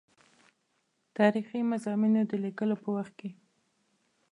تاریخي مضامینو د لیکلو په وخت کې.